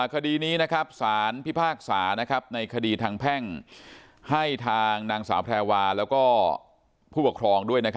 คดีนี้สารพิพากษาในคดีทางแพ่งให้ทางนางสาวแพรวาแล้วก็ผู้ปกครองด้วย